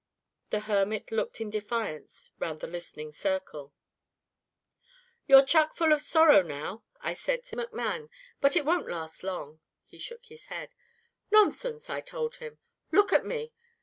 The hermit looked in defiance round the listening circle. "'You're chuck full of sorrow now,' I said to McMann, 'but it won't last long.' He shook his head. 'Nonsense,' I told him. 'Look at me.